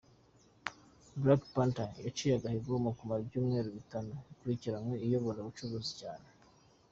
"Black Panther" yaciye agahigo ko kumara ibyumweru bitanu byikurikiranya iyoboye izicuruzwa cyane.